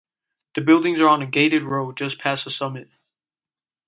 The buildings are on a gated road just past the summit.